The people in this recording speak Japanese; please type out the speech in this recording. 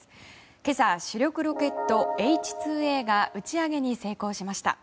今朝、主力ロケットＨ２Ａロケットが打ち上げに成功しました。